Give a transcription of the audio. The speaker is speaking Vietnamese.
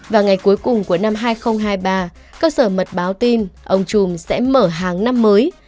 và ngày cuối cùng của năm hai nghìn hai mươi ba cơ sở mật báo tin ông chùm sẽ mở hàng năm mới